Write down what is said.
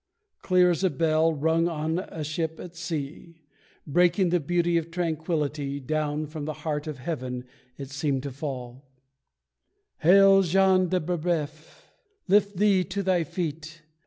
Clear as a bell rung on a ship at sea, Breaking the beauty of tranquillity Down from the heart of Heaven it seemed to fall: "Hail, Jean de Breboeuf! Lift thee to thy feet!